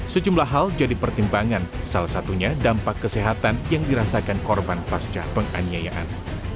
sejumlah hal jadi pertimbangan salah satunya dampak kesehatan yang dirasakan korban pasca penganiayaan